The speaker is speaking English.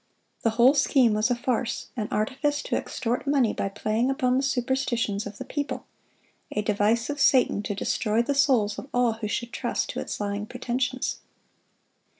The whole scheme was a farce,—an artifice to extort money by playing upon the superstitions of the people,—a device of Satan to destroy the souls of all who should trust to its lying pretensions.